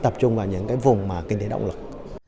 tập trung vào những cái vùng mà kinh tế động lực